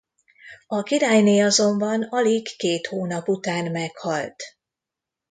A királyné azonban alig két hónap után meghalt.